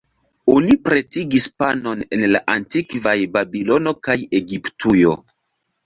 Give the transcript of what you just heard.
Oni pretigis panon en la antikvaj Babilono kaj Egiptujo.